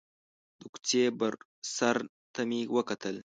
د کوڅې بر سر ته مې وکتل.